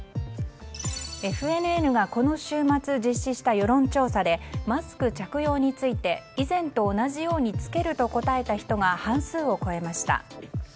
ＦＮＮがこの週末、実施した世論調査でマスク着用について以前と同じように着けると答えた人が半数を超えました。